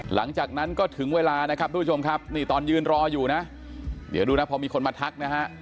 หลังจากนั้นก็ถึงเวลานะครับทุกผู้ชมครับนี่ตอนยืนรออยู่นะเดี๋ยวดูนะพอมีคนมาทักนะฮะ